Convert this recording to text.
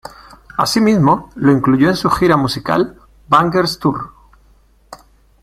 Asimismo, lo incluyó en su gira musical Bangerz Tour.